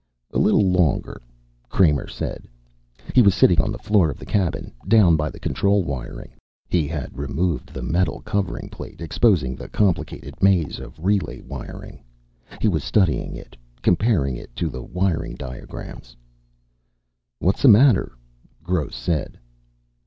"A little longer," Kramer said. He was sitting on the floor of the cabin, down by the control wiring. He had removed the metal covering plate, exposing the complicated maze of relay wiring. He was studying it, comparing it to the wiring diagrams. "What's the matter?" Gross said.